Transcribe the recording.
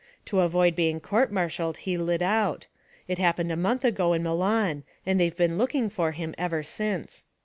To avoid being court martialled he lit out; it happened a month ago in Milan and they've been looking for him ever since.